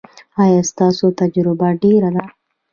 ایا ستاسو تجربه ډیره ده؟